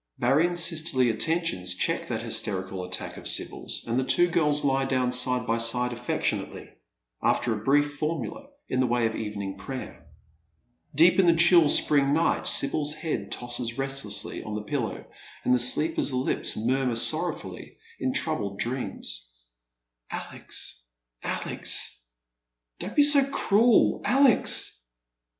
Marion's sisterly attentions check that hysteiical attack of Sibyl's, and the two girls lie down side by side alfectiouately, after a brief formula in the way of evening prayer. Deep in the chill spring night Sibj'l's head tosses restlessly on the pillow, and the sleeper's lips murmur sorrowfully in troubled dreams, —" Alex, Alex — don't be so cruel, Alex.